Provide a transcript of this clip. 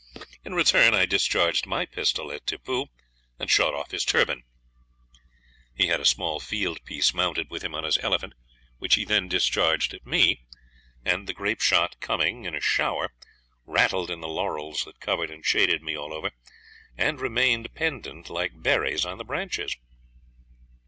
In return I discharged my pistol at Tippoo, and shot off his turban. He had a small field piece mounted with him on his elephant, which he then discharged at me, and the grape shot coming in a shower, rattled in the laurels that covered and shaded me all over, and remained pendant like berries on the branches.